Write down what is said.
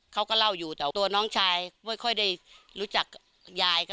เขาก็เล่าอยู่แต่ตัวน้องชายไม่ค่อยได้รู้จักยายก็